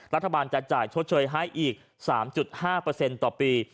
รัฐบาลจะจ่ายทดเชยให้อีก๓๕เปอร์เซ็นต์ต่อปี